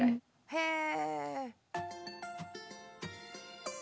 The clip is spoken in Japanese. へえ！